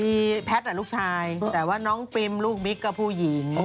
มีแพทย์ลูกชายแต่ว่าน้องปิมลูกบิ๊กก็ผู้หญิง